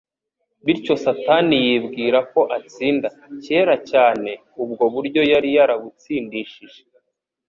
Bityo Satani yibwiraga ko atsinda. Kera cyane ubwo buryo yari yarabutsindishije.